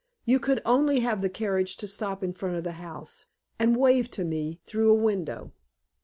You could only have the carriage to stop in front of the house, and wave to me through a window.